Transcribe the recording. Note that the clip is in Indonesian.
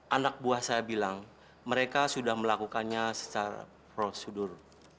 anak buah saya bilang mereka sudah melakukannya secara prosedur